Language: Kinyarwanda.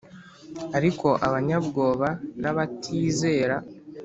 Ariko abanyabwoba n’abatizera,